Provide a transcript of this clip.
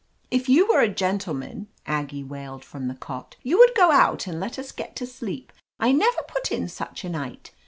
"If you were a gentleman," Aggie wailed from the cot, "you would go out and let us get to sleep. I never put in ^ch a night.